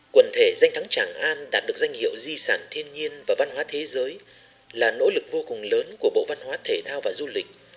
quần thể danh thắng tràng an đạt được danh hiệu di sản thiên nhiên và văn hóa thế giới là nỗ lực vô cùng lớn của bộ văn hóa thể thao và du lịch